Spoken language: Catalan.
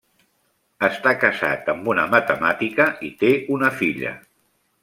Està casat amb una matemàtica i té una filla.